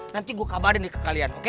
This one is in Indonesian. nanti gue kabarin nih ke kalian